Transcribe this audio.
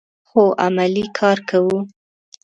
هو، عملی کار کوو